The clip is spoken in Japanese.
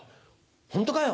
ホントかよ？